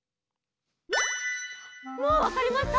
もうわかりました？